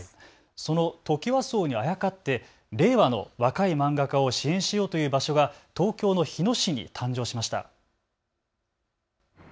そのトキワ荘にあやかって令和の若い漫画家を支援しようという場所が東京の日野市に誕生しました。